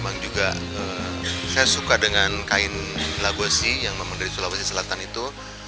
memang juga saya suka dengan kain laguasi yang memang dari sulawesi selatan itu